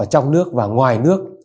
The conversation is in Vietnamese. học ở trong nước và ngoài nước